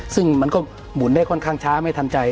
ซึ่งมันก็หมุนได้ค่อนข้างช้าไม่ทันใจ